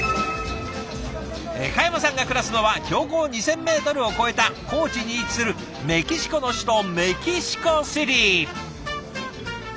嘉山さんが暮らすのは標高２，０００ｍを超えた高地に位置するメキシコの首都メキシコシティ。